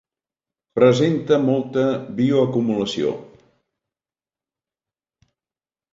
Presenta molta bioacumulació.